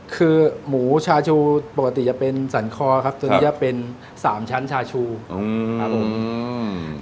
คือหมูชาชูปกติจะเป็นสันคอครับตัวนี้จะเป็นสามชั้นชาชูครับผมอืม